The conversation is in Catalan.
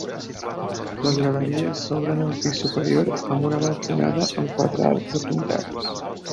Les galeries s'obren al pis superior amb una balconada amb quatre arcs apuntats.